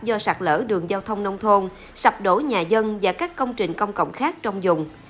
do sạt lở đường giao thông nông thôn sập đổ nhà dân và các công trình công cộng khác trong dùng